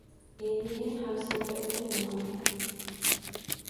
Endi men ham senga ogilmi onam!